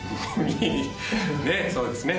ねぇそうですね